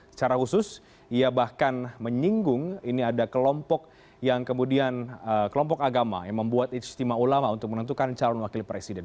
secara khusus ia bahkan menyinggung ini ada kelompok agama yang membuat istimewa ulama untuk menentukan calon wakil presiden